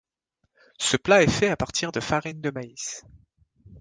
Ce plat est fait à partir de farine de maïs.